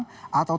atau tanpa berlalu